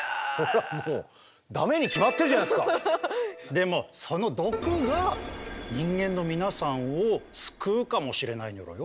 でもその毒が人間の皆さんを救うかもしれないニョロよ。